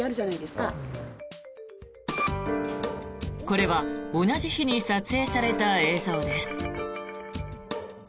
これは同じ日に撮影された映像です。